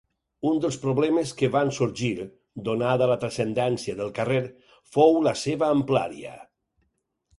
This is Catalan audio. Un dels problemes que van sorgir, donada la transcendència del carrer, fou la seva amplària.